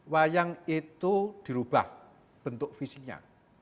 bayang itu dirubah bentuk fisiknya